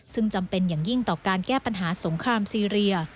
ซึ่งจำเป็นอย่างยิ่งต่อการแก้ปัญหาสงครามซีเรีย